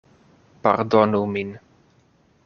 Pardonu min.